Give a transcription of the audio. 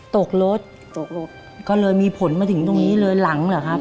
ตกลดก็เลยมีผลมาถึงตรงนี้เลยหลังหรือครับ